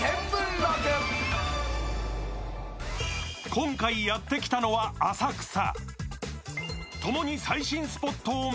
今回やってきたのは、浅草。